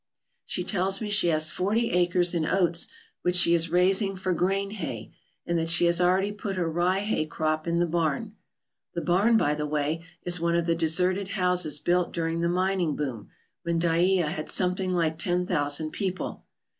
She tells me she has forty acres in oats, which she is raising for grain hay, and that she has already put her rye hay crop in the barn. The barn, by the way, is one of the deserted houses built during the mining boom, when Dyea had something like ten thousand people.